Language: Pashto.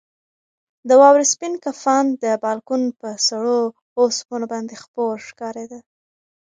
د واورې سپین کفن د بالکن پر سړو اوسپنو باندې خپور ښکارېده.